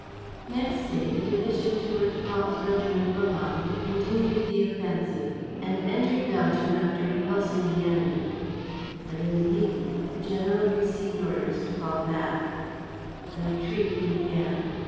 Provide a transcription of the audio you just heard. Next day, the division to which Paul's regiment belonged continued the offensive and entered Belgium after repulsing the enemy. But in the evening the general received orders to fall back. The retreat began.